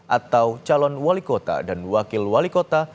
atau calon wali kota dan wakil wali kota